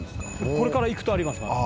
「これから行くとあります。